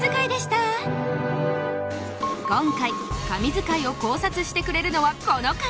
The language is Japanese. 今回神図解を考察してくれるのはこの方